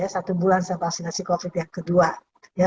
satu bulan vaksinasi covid sembilan belas yang kedua